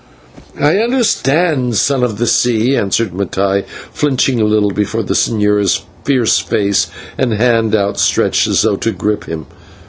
"I understand, Son of the Sea," answered Mattai, flinching a little before the señor's fierce face and hand outstretched as though to grip him.